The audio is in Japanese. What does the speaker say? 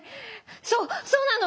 そうそうなの！